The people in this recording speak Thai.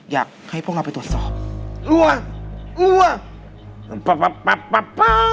อยากให้พวกเราไปตรวจสอบ